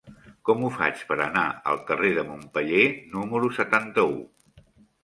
Com ho faig per anar al carrer de Montpeller número setanta-u?